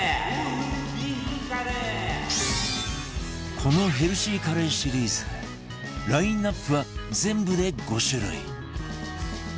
このヘルシーカレーシリーズラインアップは全部で５種類